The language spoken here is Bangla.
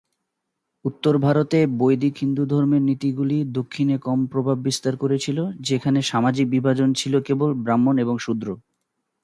উত্তর ভারতে বৈদিক হিন্দুধর্মের নীতিগুলি দক্ষিণে কম প্রভাব বিস্তার করেছিল, যেখানে সামাজিক বিভাজন ছিল কেবল ব্রাহ্মণ এবং শূদ্র।